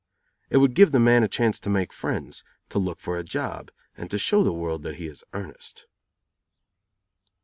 It would give the man a chance to make friends, to look for a job, and to show the world that he is in earnest.